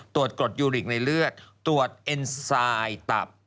กรดยูริกในเลือดตรวจเอ็นไซด์ตับ